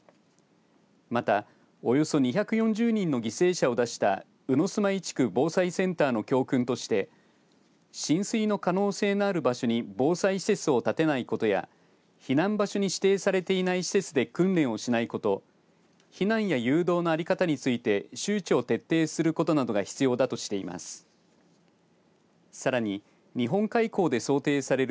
また、およそ２４０人の犠牲者を出した鵜住居地区防災センターの教訓として浸水の可能性のある場所に防災施設を建てないことや避難場所に指定されていない施設で訓練をしないこと避難や誘導の在り方について周知を徹底することなどが必要だとしています。